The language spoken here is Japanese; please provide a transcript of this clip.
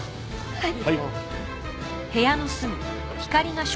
はい。